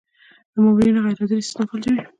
د مامورینو غیرحاضري سیستم فلجوي.